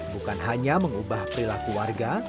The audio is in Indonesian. bukan hanya mengubah perilaku warga